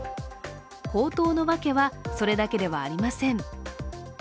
高騰の訳はそれだけではありません。